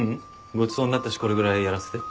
ごちそうになったしこれぐらいやらせて。